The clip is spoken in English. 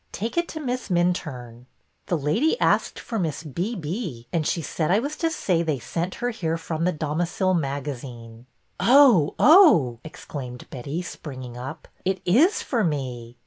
Take it to Miss Minturne.'' The lady asked for Miss B. B., and she said I was to say they sent her here from The Domi cile magazine.'' '' Oh, oh !" exclaimed Betty, springing up. It is for me.